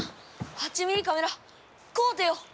８ミリカメラ買うてよ！